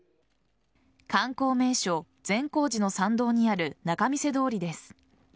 観光名所・善光寺の参道にある仲見世通りです。